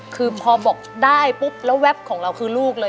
คือพอบอกได้ปุ๊บแล้วแป๊บของเราคือลูกเลย